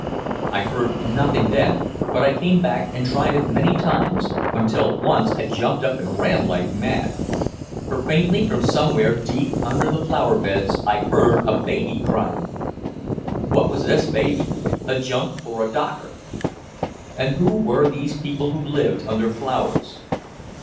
I heard nothing then, but I came back and tried it many times, until once I jumped up and ran like mad. For faintly from somewhere deep down under the flower beds I had heard a baby crying! What was this baby, a Junk or a Docker? And who were these people who lived under flowers?